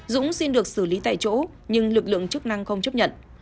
dũng xin được xử lý tại chỗ nhưng lực lượng chức năng không chấp nhận